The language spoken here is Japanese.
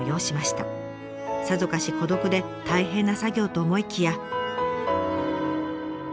さぞかし孤独で大変な作業と思いきや。